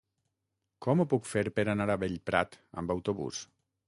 Com ho puc fer per anar a Bellprat amb autobús?